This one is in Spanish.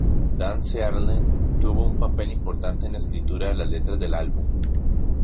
Dan Searle tuvo un papel importante en la escritura de las letras del álbum.